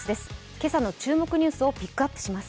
今朝の注目ニュースをピックアップします。